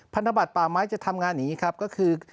พันธบัตรป่าไม้จะทำงานอย่างนี้ครับก็คือ